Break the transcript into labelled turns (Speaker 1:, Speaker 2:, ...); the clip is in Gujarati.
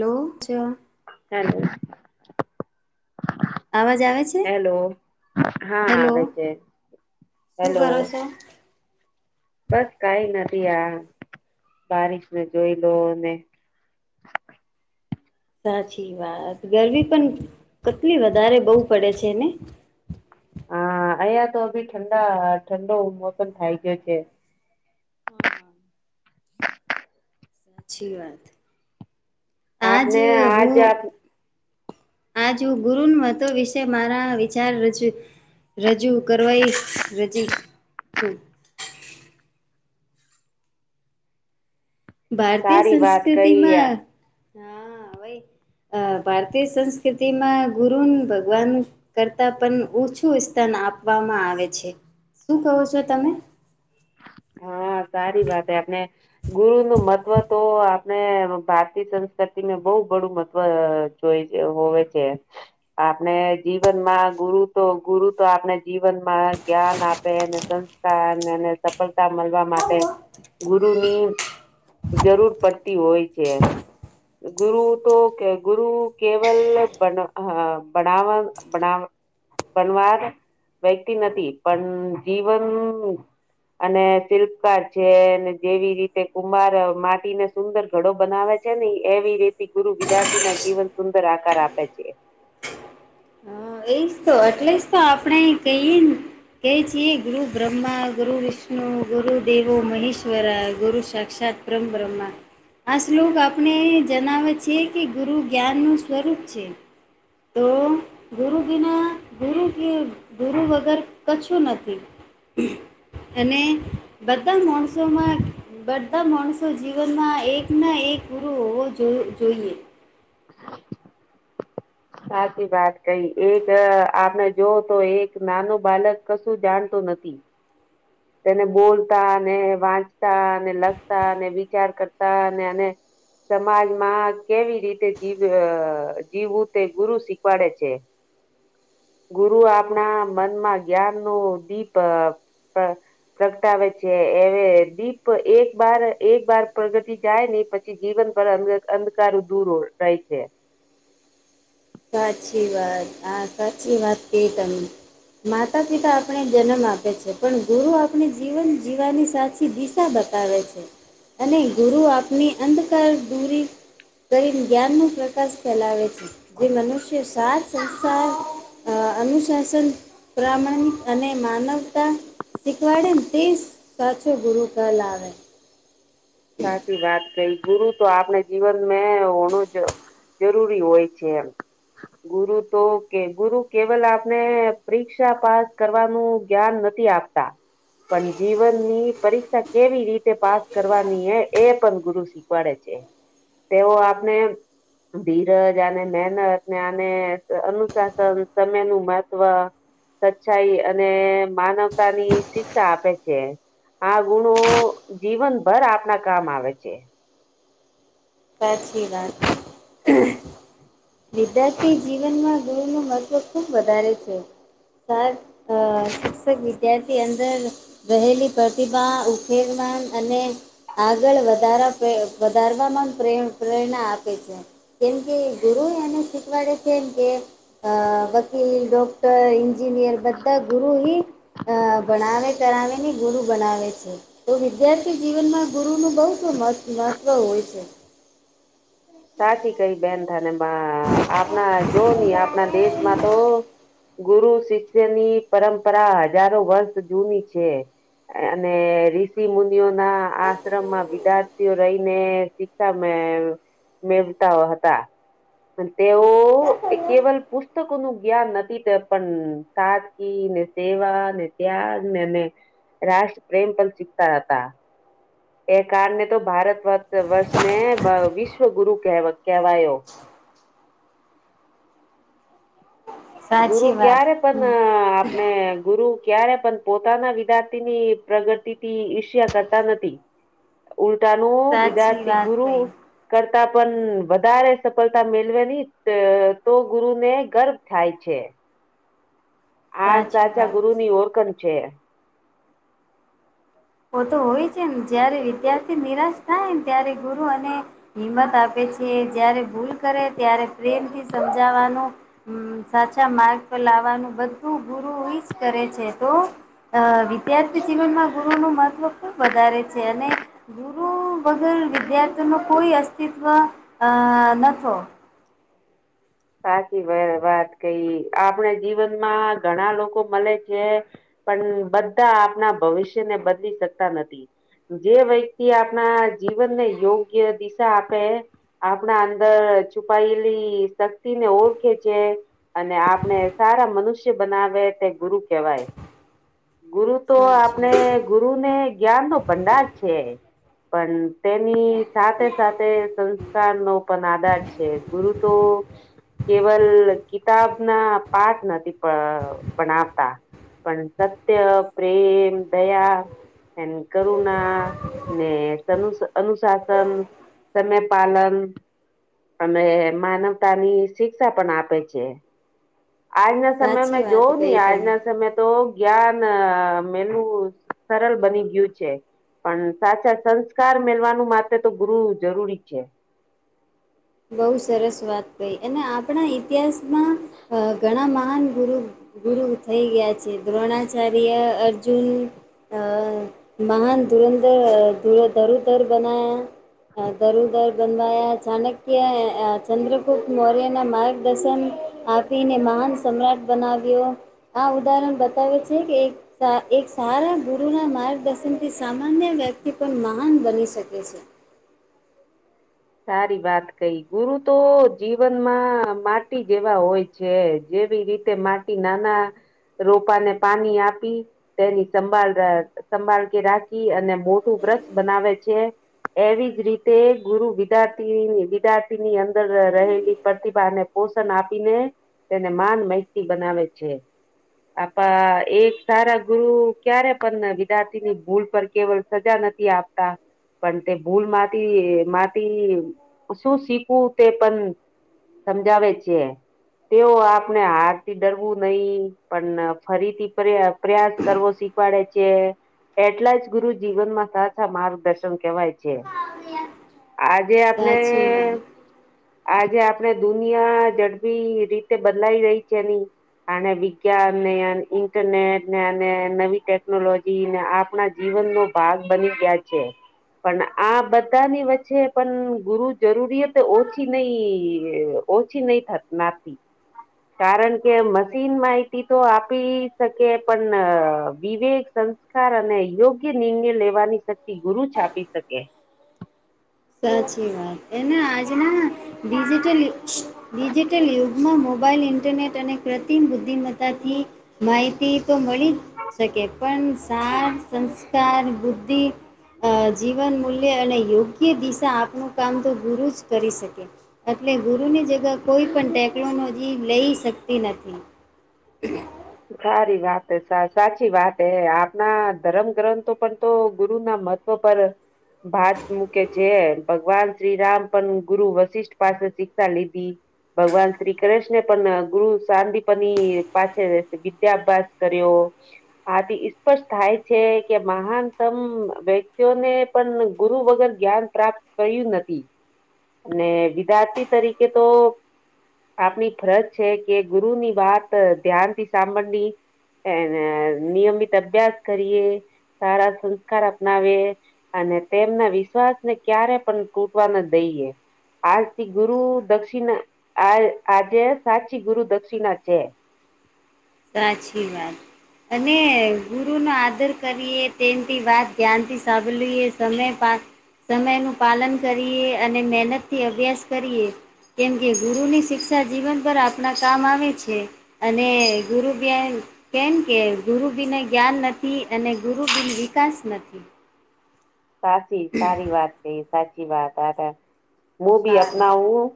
Speaker 1: એવું છ અવાજ આવે છે
Speaker 2: [unintelligible] હેલો હા
Speaker 1: હેલો
Speaker 2: આવે છે
Speaker 1: શું
Speaker 2: હેલો
Speaker 1: કરો છો
Speaker 2: બસ કઈ નથી આ બારિશને જોઈ લોને
Speaker 1: સાચી વાત ગરમી પણ કેટલી વધારે બહુ પડે છે ને
Speaker 2: અહિયા તો અભી ઠંડા ઠંડો મોસમ થાય ગયો છે
Speaker 1: હા સાચી વાત આજ
Speaker 2: આપને આજ
Speaker 1: હું
Speaker 2: આપ
Speaker 1: આજ હું ગુરુ મતો વિશે મારા વિચાર રજુ રજૂ કરવાઈશ [unintelligible] ભારતીય
Speaker 2: સારી વાત
Speaker 1: સંસ્કૃતિ
Speaker 2: કહી
Speaker 1: માં હા અ ભારતીય સંસ્કૃતિ માં ગુરુન ભગવાનનું કરતા પણ ઊછું સ્થન આપવામાં આવે છે શું કહો છો તમે
Speaker 2: હા સારી વાત હે આપને ગુરુ નું મહત્વ તો આપણે ભારતીય સંસ્કૃતિને બહુ બડું મહત્વ હોઈ છે હોવે છે આપણે જીવનમાં ગુરુ તો ગુરુ તો આપણે જીવનમાં જ્ઞાન આપે અને સફળતા મળવા માટે ગુરુની જરૂર પડતી હોય છે. ગરુ તો ગુરુ કેવલ બન બનાવા બના પણવાર વ્યક્તિ નથી પણ જીવન અને શિલ્પકાર છે જેવી રીતે કુમાર માટીને સુંદર ઘડો બનાવે છે. ને એવી રીતે ગુરુ વિદાર્થીના જીવન સુંદર આકાર આપે છે.
Speaker 1: હા, એજ તો એટલે જ તો આપણે કહીંએ ને કહે છીએ ગુરુ બ્રહ્મા ગુરુ વિષ્ણુ ગુરુદેવો મહેશ્વર ગુરુ સાક્ષાત બ્રમ બ્રહ્મમાં આ શ્લોક આપણે જણાવે છીએ કે ગુરુ જ્ઞાનનું સ્વરૂપ છે. તો ગુરુ બીના ગરુ કે ગરુ વગર કછું નથી અને બધા માણસોમાં બધા માણસો જીવનમાં એક ના એક ગુરુ હોવો જો જોઈએ.
Speaker 2: [inaudible] સાચી વાત કઈ એક આપણે જોવો તો એક નાનું બાળક કશું જાણતું નથી. તેને બોલતા અને વાંચતા અને લખતા અને વિચાર કરતા અને અને સમાજમાં કેવી રીતે જીવ જીવવું તે ગુરુ શીખવાડે છે.
Speaker 1: [inaudible]
Speaker 2: ગુરુ આપણા મનમાં જ્ઞાનનો દીપ પ્રગટાવે છે એવે દીપ એક બાર એક બાર પ્રગટી જાય ને પછી જીવન પર અંધકારો દુર રહી છે.
Speaker 1: સાચી વાત હા સાચી વાત કે તમને. માતા પિતા આપણે જન્મ આપે છે પણ ગુરુ આપણે જીવન જીવાની સાચી દિશા બતાવે છે અને ગુરુ આપની અંધકાર દૂરી કરીને જ્ઞાનનો પ્રકાશ ફેલાવે છે. જે મનુષ્ય સાથ સંસાર અનુશાસન પ્રમાણિક અને માનવતા શીખવાડે ને તે સાચો ગુરુ કહેલાવેે.
Speaker 2: સાચી વાત ગુરું તો આપણે જીવન મે હોણું જ જરૂરી હોય છે એમ. ગુરુ તો કે ગુરુ કેવલ આપણે પરીક્ષા પાસ કરવાનું જ્ઞાન નથી આ- પતા પણ જીવનની પરીક્ષા કેવી રીતે પાસ કરવા એ પણ ગુરુ શીખવાડે છે તેઓ આપને ધીરજ અને મહેનત ને આને અનુશાસન સમયનું મહત્વ સચાઈ અને માનવતાની શિક્ષા આપે છે. આ ગુણો જીવનભર આપણા કામ આવે છે.
Speaker 1: સાચી વાત વિદ્યાર્થી જીવનમાં ગુણનું મહત્ત્વ ખૂબ વધારે છે. સાર શિક્ષક વિદ્યાર્થી અંદર રહેલી પ્રતિભા [unintelligible] અને આગળ વધાર વધારવામાં પ્રેરણા આપે છે. કેમ કે ગુરુ એને શીખવાડે છેમ કે વકીલ, ડોક્ટર એન્જિનિયર બધા ગુરુ હી ભણાવે કરાવીને ગુરુ બનાવે છે. તો વિદ્યાર્થી જીવનમાં ગુરુનું બહું મહત્વ હોય છે.
Speaker 2: સાચી કઈ બેન થને આપણા જોની આપણા દેશમાં તો ગુરુ શિષ્યની પરંપરા હજારો વર્ષ જુની છે. અને ઋષિ મુનિઓના આશ્રમમાં વિદ્યાર્થીઓ રહીને શિક્સા મે મેવતા હતા. તેઓ કેવલ પુસ્તકોનું જ્ઞાન નથી તે પણ સાાદકીને, સેવાને, ત્યાગને રાષ્ટ્રપ્રેમ પણ શીખતા હતા હતા. એ કારને તો ભારત વર્ષને વિશ્વ ગુરુ કેહેવાયો. ગુરુ
Speaker 1: સાચી વાત
Speaker 2: ક્યારે
Speaker 1: હમ
Speaker 2: પણ આપણે ગુરુ ક્યારે પણ. પોતાના વિદ્યાર્થીની પ્રગતિથી ઈર્ષ્ય કરતા નથી. ઉલટાનું
Speaker 1: સાચી
Speaker 2: વિદાર્થી
Speaker 1: વાત
Speaker 2: ગુરુ
Speaker 1: કઈ
Speaker 2: કરતા પણ વધારે સફળતા મેળવે નહી તો ગુરુને ગર્વ થાય છે. આ
Speaker 1: સાચી
Speaker 2: સાચા
Speaker 1: વાત
Speaker 2: ગુરુની ઓળખણ છે.
Speaker 1: ઓ તો હોય છે ને જયારે વિદ્યાર્થી નિરાશ થાયને ત્યારે ગુરુ અને હિંમત આપે છે, જારે ભૂલ કરે ત્યારે પ્રેમથી સમજાવાનો હમ સાચા માર્ગ પર લાવવાનું બધું ગુરુ એ જ કરે છે તો અ વિદ્યાર્થી જીવનમાં ગુરુનું મહત્વ ખુબ વધારે છે અને ગુરુ વગર વિદ્યાર્થીનો કોઈ અસ્તિત્વનતો,
Speaker 2: સાચીવાત કરી આપણે જીવનમાં ઘણા લોકો મળે છે, પણ બધા આપના ભવિષ્યને બદલી શકતા નથી, જે વ્યક્તિ આપણા જીવનને યોગ્ય દિશા આપે, આપણા અંદર છુપાયેલી શક્તિને ઓળખે છે, અને આપણે સારા મનુષ્ય બનાવે તે ગુરુ કહેવાય, ગુરુ તો
Speaker 1: સાચી
Speaker 2: આપણે ગુરુ ને જ્ઞાનનો ભંડાર છે, પણ તેની સાથે સાથે સંસ્કારનો પણ આધાર છે, ગુરુ તો કેવલ કિતાબના પાઠ નથી ભણાવતા, પણ સત્ય, પ્રેમ, દયા એ કરુણાને અનુશાસન, સમય, પાલન અને માનવ માનવતાની શિક્ષા પણ આપે છે, આજના સમયે
Speaker 1: સાચી
Speaker 2: મેં
Speaker 1: વાત
Speaker 2: જોવું હી
Speaker 1: કહી તમે
Speaker 2: આજના સમયે. તો જ્ઞાન મેનું સરળ બની ગયું છે, પણ સાચા સંસ્કાર મેલવાનું માટે તો ગુરુ જરૂરી છે,
Speaker 1: બહુ સરસ વાત કંઈ અને આપણા ઇતિહાસમાં ઘણા મહાન ગુરુ, ગુરુ થઈ ગયા છે, દ્રોણાચાર્ય અર્જુન. અ મહાન ધૂરંધર ધૂર ધરોધર બનાયા, દરું દર બનવાયા અચાનક, કે ચંદ્રગુપ્ત મૌર્યના માર્ગદર્શન આપીને મહાન સમ્રાટ, બનાવ્યો આ ઉદાહરણ બતાવે છે, કે એક એક સારા ગુરુના માર્ગદર્શનથી સામાન્ય વ્યક્તિ પણ મહાન બની શકે છે,
Speaker 2: સારી વાત કંઈ ગુરુતો જીવનમાં માટી જેવા હોય, છે, જેવી રીતે માટી નાના રોપાને પાણી આપી, તેની સંભાળ સંભાળ કે રાખી અને મોટું બ્રક્ષ બનાવે છે, એવી જ રીતે ગુરુ વિના, વિદ્યાર્થીની વિદ્યાર્થી ની અંદર રહેલી પ્રતિભાને પોષણ આપીને, તેને માન માહિતી બનાવે છે, આપ એક સારા ગુરુ ક્યારે પણ વિદ્યાર્થીની ભૂલ પર કેવાય. સજા નથી, આપતા પણ તે ભૂલમાંથી માત્ર શું શીકું તે પણ સમજાવે છે, તેઓ આપણે હારથી ડરવું નહીં પણ ફરીથી પ્રયાસ કરવો શીખવી. પાડે છે, એટલા જ ગુરુ જીવનમાં સાચા માર્ગદર્શન કેવાય છે, આજે આપણે,
Speaker 1: સાચી વાત
Speaker 2: આજે આપડે દુનિયા ઝડપી રીતે બદલાઈ રહી છે, એની અને વિજ્ઞાનને અને ઇન્ટરનેટને અને નવી ટેકનોલોજીને આપણા જ જીવનનો ભાગ બની ગયા છે, પણ આ બધાની વચ્ચે. જે પણ ગુરુ જરૂરિયાત ઓછી નહીં ઓછી નહીં થત ના [unintelligible]
Speaker 1: [inaudible]
Speaker 2: કારણ કે મશીન માહિતીતો આપી શકે પણ વિવેક સંગ્રહ કાર અને યોગ્ય નિર્ણય લેવાની શક્તિ ગુરુ આપી શકે
Speaker 1: સાચી વાત એને આજના ડિજિટલ ડિજિટલ યુગમાં મોબાઈલ ઇન્ટરનેટ અને કૃત્રિમ બુદ્ધિમત્તાથી માહિતીતો મળી જ શકે પણ સાર સંસ્કાર બુદ્ધિ અ જીવન મૂલ્ય અને યુગ યોગ્ય દિશા આપનું કામ તો ગુરુ જ કરી શકે એટલે ગુરુની જ કોઈપણ ટેકનોલોજી લઈ શકતી નથી
Speaker 2: સારીવાત સાચીવાતએ આપના ધર્મ ગ્રંથો પણ તો ગુરુ ના મત તો પર અ ભાત મૂકે છે જે ભગવાન શ્રીરામ પણ ગુરુ વશિષ્ઠ પાસે શિક્ષા લીધી ભગવાન શ્રી કૃષ્ન પણ ગુરુ શાંદિપની પાસે વિદ્યા અભ્યાસ કર્યો આથી સ્પષ્ટ થાય છે કે મહાનતમ વ્યક્તિઓને પણ ગુરુ વગર જ્ઞાન પ્રાપ્ત કર્યું નથી અને વિદ્યાર્થી તરીકે તો આપની ફરજ છે કે ગુરુની વાત ધ્યાનથી સાંભળવી એ નિયમિત અભ્યાસ કરીએ સારા સંસ્કાર અપનાવીએ અને તેમના વિશ્વાસને ક્યારે પણ તૂટવા ના દઈએ. આજ થી ગુરુ દક્ષિણા આ આજે સાચી ગુરુ દક્ષિણા છે.
Speaker 1: સાચી વાત અને ગુરુનો આદર કરીએ તેમથી વાત ધ્યાનથી સાંભળી લઈ એ સમય પા સમયનું પાલન કરીએ અને મહેનત થી અભ્યાસ કરીએ કેમ કે ગુરુની શિક્ષા જીવન પર આપણા કામ આવે છે અને ગુરુ બી આ કેમ કે ગુરુબિને જ્ઞાન નથી અને ગુરુ બીન વિકાસ નથી.
Speaker 2: સાચી સારી વાત કહી સાચી વાત આભાં [unintelligible]
Speaker 1: સારું.
Speaker 2: અપનાવું